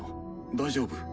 大丈夫？